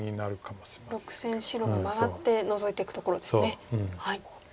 ６線白がマガってノゾいていくところですね。